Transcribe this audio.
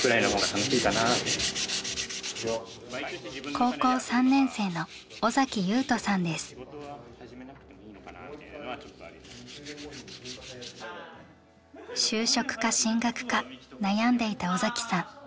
高校３年生の就職か進学か悩んでいた尾崎さん。